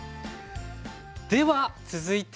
では続いて。